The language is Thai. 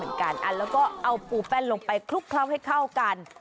และนะคะปูแป้นลงไปทุกครั้งให้เข้ากัน